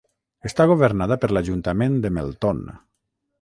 Està governada per l'Ajuntament de Melton.